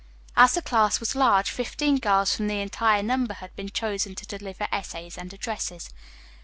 As the class was large, fifteen girls from the entire number had been chosen to deliver essays and addresses.